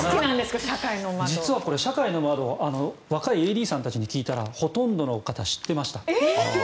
実はこれ社会の窓若いＡＤさんたちに聞いたらほとんどの方知ってました。